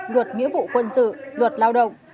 luật nghĩa vụ quân sự luật lao động